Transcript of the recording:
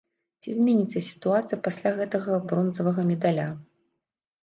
Ці зменіцца сітуацыя пасля гэтага бронзавага медаля?